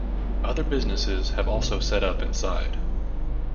Other businesses have also set up inside.